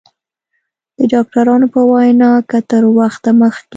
د ډاکترانو په وینا که تر وخته مخکې